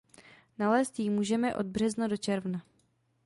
Nalézt ji můžeme od března do června.